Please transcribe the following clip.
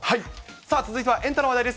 さあ、続いてはエンタの話題です。